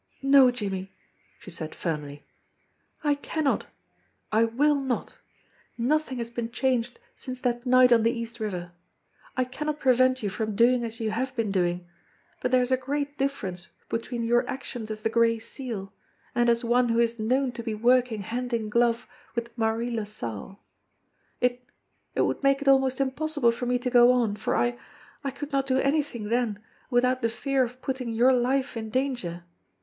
"No, Jimmie!" she said firmly. "I cannot! I will not! Nothing has been changed since that night on the East River. I cannot prevent you from doing as you have been doing, but there is a great difference between your actions as the Gray Seal and as one who is known to be working hand in glove with Marie LaSalle. It it would make it almost im possible for me to go on, for I I could not do anything then without the fear of putting your life in danger.